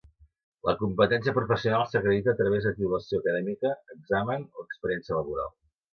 La competència professional s'acredita a través de titulació acadèmica, examen o experiència laboral.